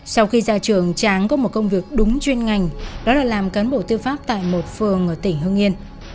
sau khi ra trường tráng có một công việc đúng chuyên ngành đó là làm cán bộ tư pháp tại một phường ở tỉnh hưng yên